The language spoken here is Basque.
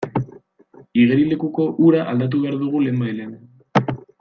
Igerilekuko ura aldatu behar dugu lehenbailehen.